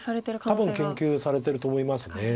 多分研究されてると思います。